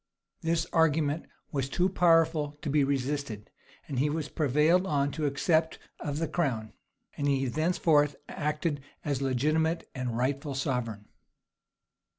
This argument was too powerful to be resisted: he was prevailed on to accept of the crown: and he thenceforth acted as legitimate and rightful sovereign.